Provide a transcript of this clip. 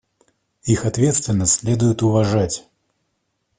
Их ответственность следует уважать.